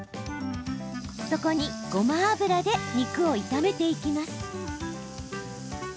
そこにごま油で肉を炒めていきます。